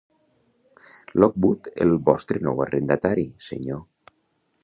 Lockwood, el vostre nou arrendatari, senyor.